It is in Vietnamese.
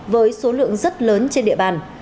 với số lượng rất lớn trên địa bàn